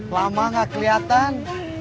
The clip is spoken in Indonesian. lama gak kelihatan